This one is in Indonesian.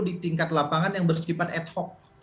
di tingkat lapangan yang bersifat ad hoc